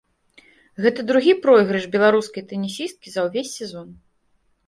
Гэта другі пройгрыш беларускай тэнісісткі за ўвесь сезон.